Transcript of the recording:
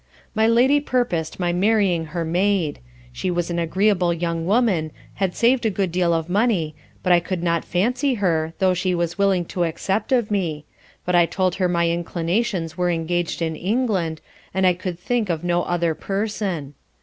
My Lady purposed my marrying her maid; she was an agreeable young woman, had saved a good deal of money, but I could not fancy her, though she was willing to accept of me, but I told her my inclinations were engaged in England, and I could think of no other Person.